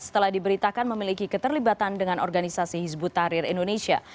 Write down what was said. setelah diberitakan memiliki keterlibatan dengan organisasi hizbut tahrir indonesia